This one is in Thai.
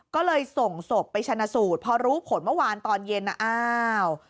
ก็เลยส่งศพไปชนะสูตรพอรู้ผลเมื่อวานตอนเย็นน่ะอ้าว